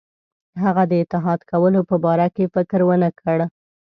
هغه د اتحاد کولو په باره کې فکر ونه کړي.